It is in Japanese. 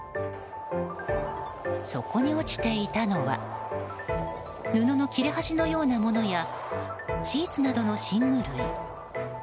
そこに落ちていたのは布の切れ端のようなものやシーツなどの寝具類。